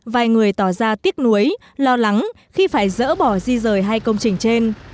vài người tỏ ra tiếc nuối lo lắng khi phải dỡ bỏ di rời hai công trình trên